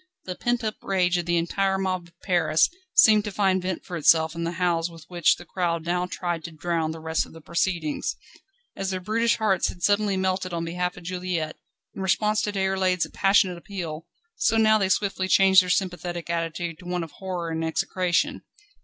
The pent up rage of the entire mob of Paris seemed to find vent for itself in the howls with which the crowd now tried to drown the rest of the proceedings. As their brutish hearts had been suddenly melted on behalf of Juliette, in response to Déroulède's passionate appeal, so now they swiftly changed their sympathetic attitude to one of horror and execration.